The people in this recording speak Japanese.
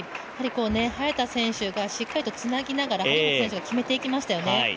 早田選手がしっかりとつなぎながら、張本選手が決めていきましたよね